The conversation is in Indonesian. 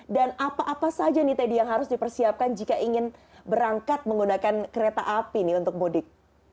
dan apa apa saja yang harus dipersiapkan jika ingin berangkat menggunakan kereta api untuk mudik